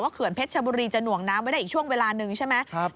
เขื่อนเพชรชบุรีจะหน่วงน้ำไว้ได้อีกช่วงเวลาหนึ่งใช่ไหม